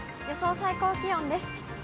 予想最高気温です。